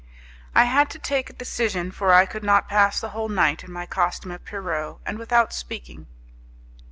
I had to take a decision, for I could not pass the whole night in my costume of Pierrot, and without speaking.